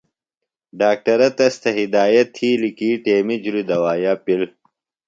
ڈاکٹرہ تس تھےۡ ہدایت تِھیلیۡ کی ٹیمیۡ جُھلیۡ دوایا پِل۔